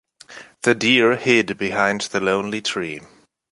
The deer hid behind the lonely tree.